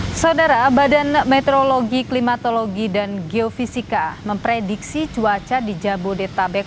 hai saudara badan meteorologi klimatologi dan geofisika memprediksi cuaca di jabodetabek